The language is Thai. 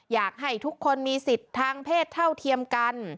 อยากให้ทุกคนมีสิทธิ์ทางเพศเท่าเทียมกัน